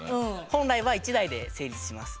本来は１台で成立します。